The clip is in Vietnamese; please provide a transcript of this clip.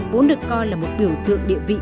vốn được coi là một biểu tượng địa vị